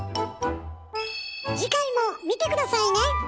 次回も見て下さいね！